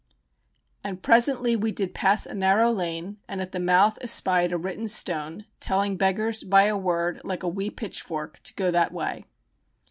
"And presently we did pass a narrow lane, and at the mouth espied a written stone, telling beggars by a word like a wee pitchfork to go that way."